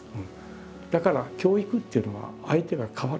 だから教育っていうのは相手が「かわる」。